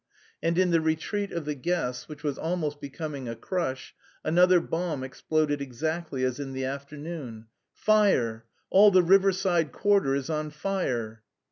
And in the retreat of the guests, which was almost becoming a crush, another bomb exploded exactly as in the afternoon. "Fire! All the riverside quarter is on fire!"